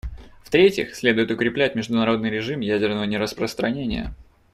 В-третьих, следует укреплять международный режим ядерного нераспространения.